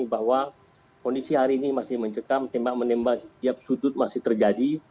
bahwa kondisi hari ini masih mencekam tembak menembak setiap sudut masih terjadi